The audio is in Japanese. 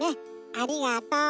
ありがとう。